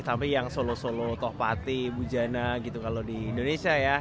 tapi yang solo solo toh pati bujana gitu kalau di indonesia ya